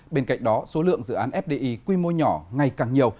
bên cạnh đó số lượng dự án fdi quy mô nhỏ ngày càng nhiều